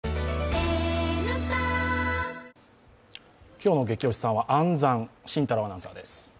今日の「ゲキ推しさん」は暗算、慎太郎アナウンサーです。